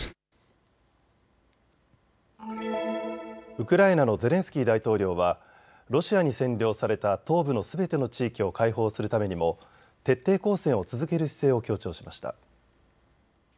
ウクライナのゼレンスキー大統領はロシアに占領された東部のすべての地域を解放するためにも徹底抗戦を続ける姿勢を強調しました。